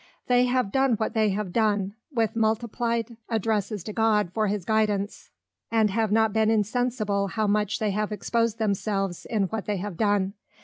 They have done what they have done, with multiplied Addresses to God for his Guidance, and have not been insensible how much they have exposed themselves in what they have done.